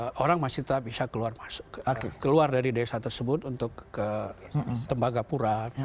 tapi orang masih tetap bisa keluar dari desa tersebut untuk ke tembaga pura